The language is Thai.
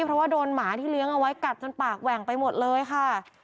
เพราะว่าโดนหมาที่เลี้ยงเอาไว้กัดจนปากแหว่งไปหมดเลยค่ะ